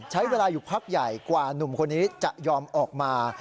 ใช้เวลาอยู่พักใหญ่กว่าหนุ่มคนนี้จะยอมออกมา